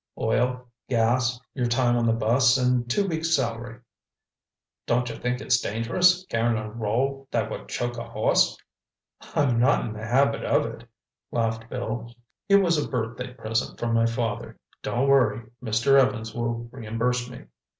"Oil, gas, your time on the bus and two weeks' salary." "Don't you think it's dangerous, carrying a roll that would choke a horse?" "I'm not in the habit of it," laughed Bill. "It was a birthday present from my father. Don't worry, Mr. Evans will reimburse me."